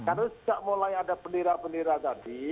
karena sejak mulai ada penira penira tadi